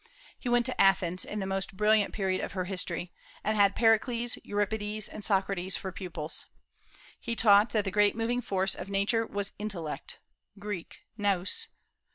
He went to Athens in the most brilliant period of her history, and had Pericles, Euripides, and Socrates for pupils. He taught that the great moving force of Nature was intellect ([Greek: nous]).